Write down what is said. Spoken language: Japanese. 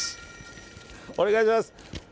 お願いします。